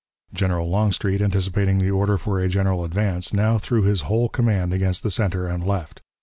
General Longstreet, anticipating the order for a general advance, now threw his whole command against the center and left.